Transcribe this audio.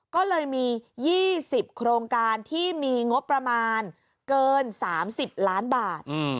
ก็เลยมี๒๐โครงการที่มีงบประมาณเกิน๓๐ล้านบาท